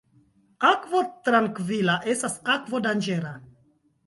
Akvo trankvila estas akvo danĝera.